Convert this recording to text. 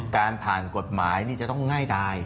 การผ่านกฎหมายจะต้องง่ายดาย